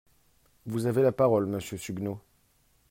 Vous avez la parole, monsieur Suguenot.